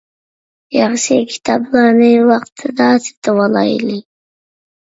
ياخشى كىتابلارنى ۋاقتىدا سېتىۋالايلى.